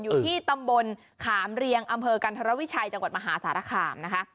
อยู่ที่ตำบลขามเรียงอำเภอกันธรวิชัยจังหวัดมหาสารคามนะคะ